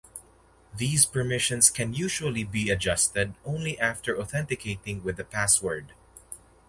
These permissions can usually be adjusted only after authenticating with the password.